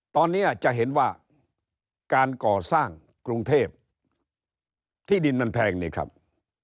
ตอนนี้จะเห็นว่าการก่อสร้างกรุงเทพที่ดินมันแพงนี่ครับ